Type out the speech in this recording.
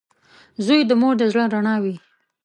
• زوی د مور د زړۀ رڼا وي.